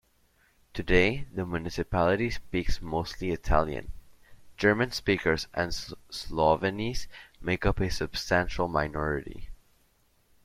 Today the municipality speaks mostly Italian; German-speakers and Slovenes make up a substantial minority.